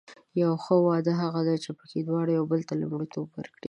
یو ښه واده هغه دی چې پکې دواړه یو بل ته لومړیتوب ورکړي.